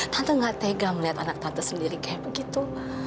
tante gak tega melihat anak tante sendiri kayak begitu